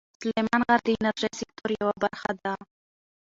سلیمان غر د انرژۍ سکتور یوه برخه ده.